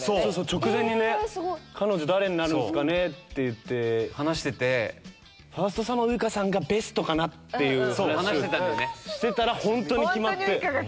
直前にね彼女誰になるんですかね？って話しててファーストサマーウイカさんがベストかなって話をしてたらホントに決まって。